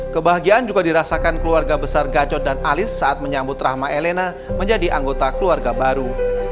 kebahagiaan juga dirasakan keluarga besar gacot dan alis saat menyambut rahma elena menjadi anggota keluarga baru